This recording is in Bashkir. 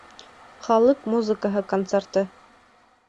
Халыҡ музыкаһы концерты